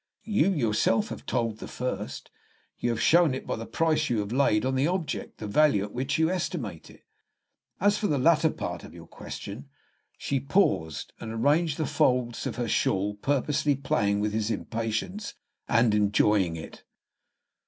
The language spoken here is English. "You yourself have told the first. You have shown by the price you have laid on the object the value at which you estimate it. As for the latter part of your question " She paused, and arranged the folds of her shawl, purposely playing with his impatience, and enjoying it.